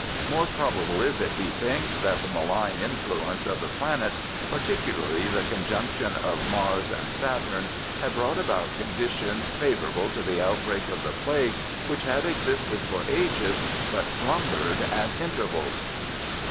More probable is it, he thinks, that the malign influence of the planets, particularly the conjunction of Mars and Saturn, had brought about conditions favourable for the outbreak of the plague which had existed for ages but slumbered at intervals.